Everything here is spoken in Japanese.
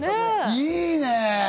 いいね。